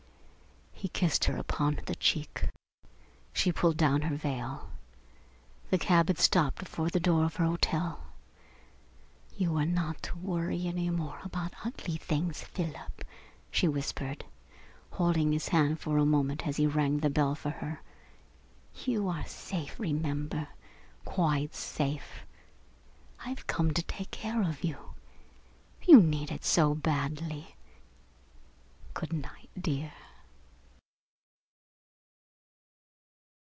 He kissed her upon the cheek. She pulled down her veil. The cab had stopped before the door of her hotel. "You are not to worry any more about ugly things, Philip," she whispered, holding his hand for a moment as he rang the bell for her. "You are safe, remember quite safe. I've come to take care of you. You need it so badly.... Good night, dear!"